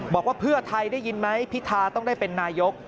บอกว่าเพื่อไทยได้ยินไหมพิทาต้องได้เป็นนายก